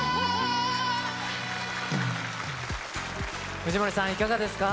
藤森さん、いかがでした？